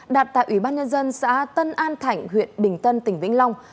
đạt tại ủy ban nhân dân xã tân an thảnh huyện bình tân tỉnh vĩnh long